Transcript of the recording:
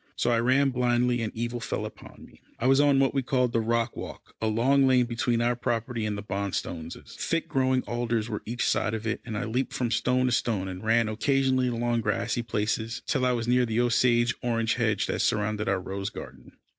So I ran blindly, and evil fell upon me. I was on what we called the rock walk, a long lane between our property and the Bonstones'. Thick growing alders were each side of it, and I leaped from stone to stone, and ran occasionally along grassy places, till I was near the Osage orange hedge that surrounded our rose garden.